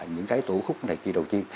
những cái tủ khúc này kia đầu tiên